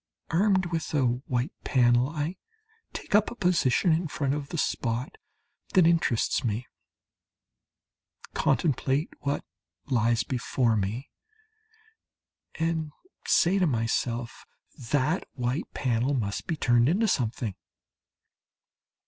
Armed with a white panel I take up a position in front of the spot that interests me, contemplate what lies before me, and say to myself "That white panel must be turned into something."